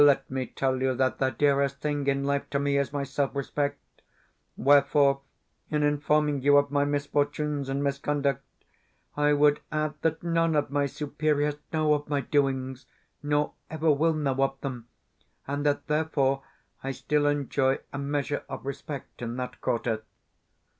Let me tell you that the dearest thing in life to me is my self respect; wherefore, in informing you of my misfortunes and misconduct, I would add that none of my superiors know of my doings, nor ever will know of them, and that therefore, I still enjoy a measure of respect in that quarter.